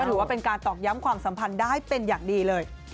ถือว่าเป็นการตอกย้ำความสัมพันธ์ได้เป็นอย่างดีเลย